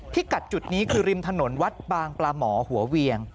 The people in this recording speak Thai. กัดจุดนี้คือริมถนนวัดบางปลาหมอหัวเวียง